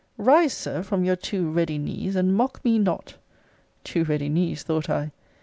Rise, Sir, from your too ready knees; and mock me not! Too ready knees, thought I!